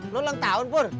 lo leng tahun pur